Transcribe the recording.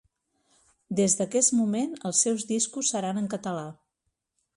Des d'aquest moment els seus discos seran en català.